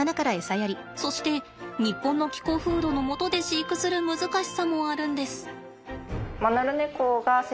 そして日本の気候風土のもとで飼育する難しさもあるんです。